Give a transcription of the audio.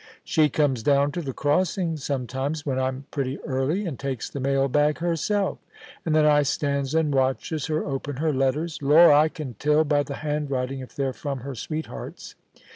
* She comes down to the crossing sometimes when I'm pretty early, and takes the mail bag herself, and then I stands and watches her open her letters. Lor* 1 I can tell by the handwriting if they're fi'om her sweethearts.